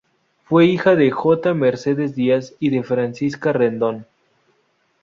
Fue hija de J. Merced Díaz y de Francisca Rendón.